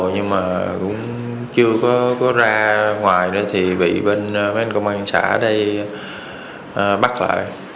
nhưng mà cũng chưa có ra ngoài nữa thì bị bên công an xã đây bắt lại